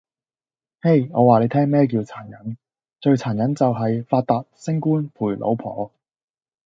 嘿!我話你聽咩叫殘忍，最殘忍就喺“發達，升官，陪老婆”!